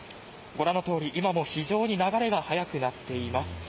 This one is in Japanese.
ご覧のとおり今も非常に流れが速くなっています。